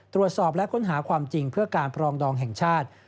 ตรวจสอบและค้นหาความจริงเพื่อการปรองดองแห่งชาติ